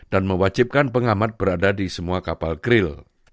dan mewajibkan pengamat berada di semua kapal kril